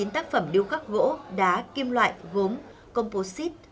hai mươi chín tác phẩm điêu khắc gỗ đá kim loại gốm composite